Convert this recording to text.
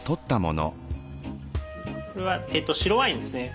これは白ワインですね。